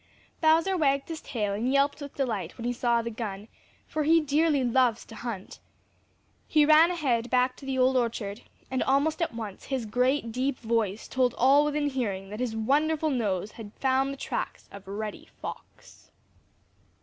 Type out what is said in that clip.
Bowser wagged his tail and yelped with delight when he saw the gun, for he dearly loves to hunt. He ran ahead back to the Old Orchard, and almost at once his great, deep voice told all within hearing that his wonderful nose had found the tracks of Reddy Fox.